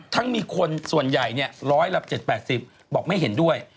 ทั้งมีคนส่วนใหญ่เนี่ย๑๐๐หลับ๗๐๘๐บอกไม่เห็นด้วย